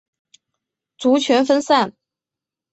族群分散。